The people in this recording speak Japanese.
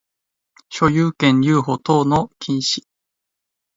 所有権留保等の禁止